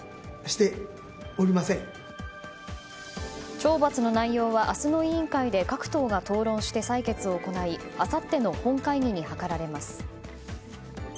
懲罰の内容は明日の委員会で各党が討論して採決を行いあさっての本会議に諮られます。